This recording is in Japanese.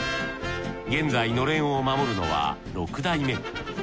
現在のれんを守るのは６代目。